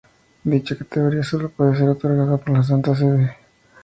Dicha categoría solo puede ser otorgada por la Santa Sede.